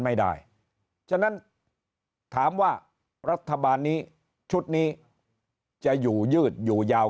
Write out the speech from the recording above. ไม่ได้ฉะนั้นถามว่ารัฐบาลนี้ชุดนี้จะอยู่ยืดอยู่ยาว